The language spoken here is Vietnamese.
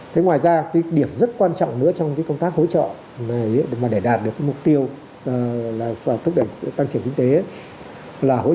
thế ngoài ra điểm rất quan trọng nữa trong công tác hỗ trợ để đạt được mục tiêu tăng trưởng kinh tế là hỗ trợ